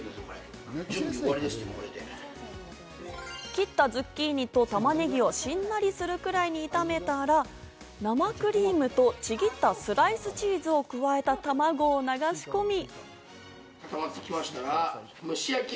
切ったズッキーニと玉ねぎをしんなりするくらいに炒めたら、生クリームとちぎったスライスチーズを加えた卵を流し込み。